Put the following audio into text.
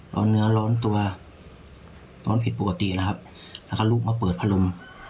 เอาเนื้อร้อนตัวร้อนผิดปกติแล้วครับแล้วก็ลูกมาเปิดพัดลม